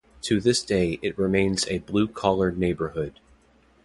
To this day it remains a blue collar neighborhood.